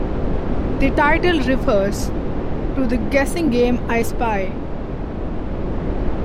The title refers to the guessing game I spy.